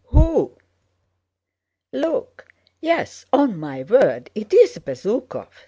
Who?" "Look! Yes, on my word, it's Bezúkhov!"